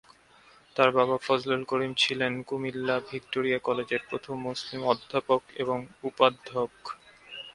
তার বাবা ফজলুল করিম ছিলেন কুমিল্লা ভিক্টোরিয়া কলেজের প্রথম মুসলিম অধ্যাপক এবং উপাধ্যক্ষ।